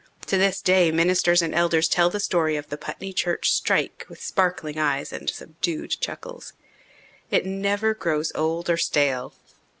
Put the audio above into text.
To this day ministers and elders tell the story of the Putney church strike with sparkling eyes and subdued chuckles. It never grows old or stale.